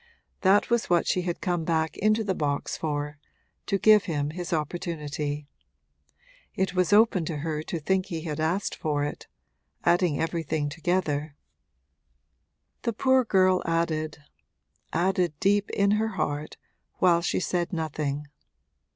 That was what she had come back into the box for to give him his opportunity. It was open to her to think he had asked for it adding everything together. The poor girl added, added, deep in her heart, while she said nothing.